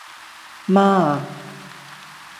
媽呀